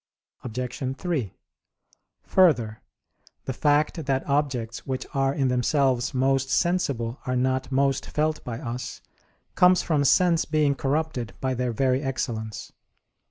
Obj. 3: Further, the fact that objects which are in themselves most sensible are not most felt by us, comes from sense being corrupted by their very excellence.